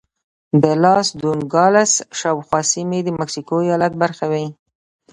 د لاس دو نوګالس شاوخوا سیمې د مکسیکو ایالت برخه وې.